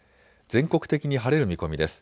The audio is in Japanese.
全国的に晴れる見込みです。